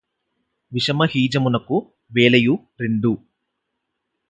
విషమహీజమునకు వెలయు రెండు